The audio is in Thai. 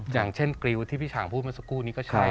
อย่างเช่นกริวที่พี่ฉางพูดมาสักครู่นี้ก็ใช่